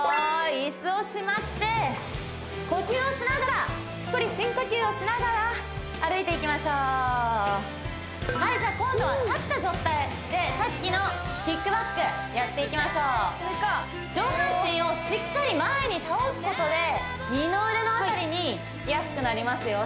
椅子をしまって呼吸をしながらしっかり深呼吸をしながら歩いていきましょうはいじゃ今度は立った状態でさっきのキックバックやっていきましょう上半身をしっかり前に倒すことで二の腕の辺りに効きやすくなりますよ